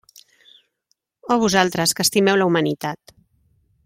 Oh vosaltres que estimeu la humanitat!